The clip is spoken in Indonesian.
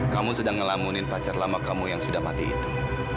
kamu sedang ngelamunin pacar lama kamu yang sudah mati itu